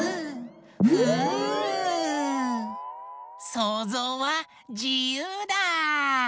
そうぞうはじゆうだ！